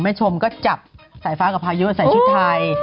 ชมก็จับสายฟ้ากับพายุใส่ชุดไทย